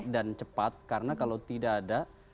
dan cepat karena kalau tidak ada